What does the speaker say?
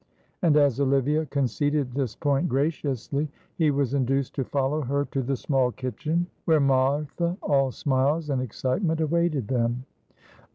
And as Olivia conceded this point graciously, he was induced to follow her to the small kitchen, where Martha, all smiles and excitement, awaited them.